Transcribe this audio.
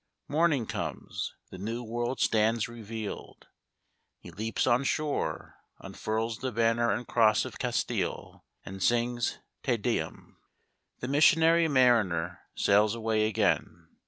Morning comes ; the New World stands revealed ; he leaps on shore, unfurls the banner and cross of Castile and sings Te Dcums. The missionary mariner sails away again.